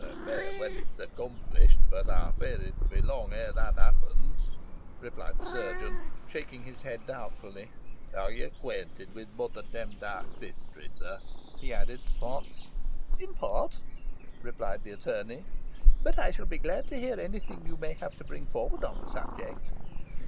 "It may when it is accomplished, but I fear it will be long ere that happens," replied the chirurgeon, shaking his head doubtfully. "Are you acquainted with Mother Demdike's history, sir?" he added to Potts. "In part," replied the attorney; "but I shall be glad to hear any thing you may have to bring forward on the subject."